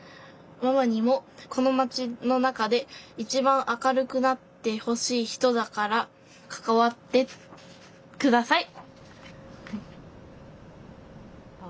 ママにもこの町の中でいちばん明るくなってほしい人だから関わってください」。